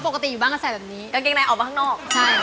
กางเกงนายออกมาข้างนอก